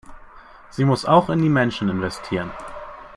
Sie muss auch in die Menschen investieren.